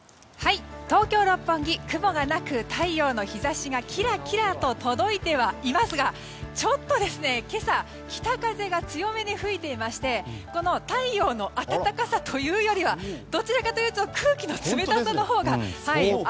東京・六本木雲がなく太陽の日差しがキラキラと届いてはいますがちょっと今朝北風が強めに吹いていまして太陽の暖かさというよりはどちらかというと空気の冷たさのほうが。